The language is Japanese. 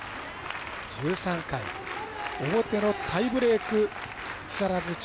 １３回表のタイブレーク木更津総合。